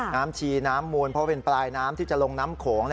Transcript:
ชีน้ำมูลเพราะเป็นปลายน้ำที่จะลงน้ำโขง